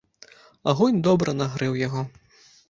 Агонь добра нагрэў яго.